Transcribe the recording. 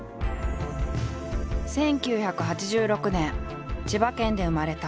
１９８６年千葉県で生まれたＳＫＹ−ＨＩ。